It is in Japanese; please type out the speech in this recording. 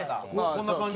こんな感じ？